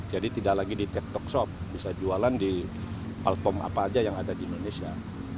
jadi tidak lagi di tiktok shop bisa jualan di platform apa aja yang ada di indonesia